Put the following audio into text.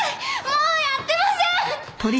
もうやってません！